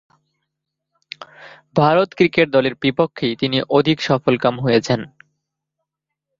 Bharat cricket দলের বিপক্ষেই তিনি অধিক সফলকাম হয়েছেন।